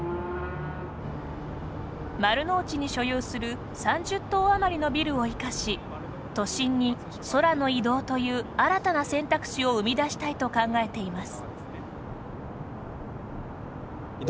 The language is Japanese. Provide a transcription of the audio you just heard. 丸の内に所有する３０棟あまりのビルを生かし都心に空の移動という新たな選択肢を生み出したいと考えています。